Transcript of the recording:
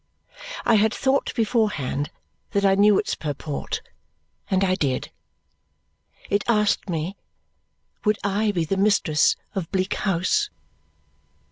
I had thought beforehand that I knew its purport, and I did. It asked me, would I be the mistress of Bleak House.